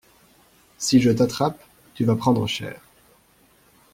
Si je t'attrape, tu vas prendre cher.